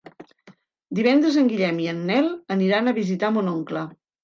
Divendres en Guillem i en Nel aniran a visitar mon oncle.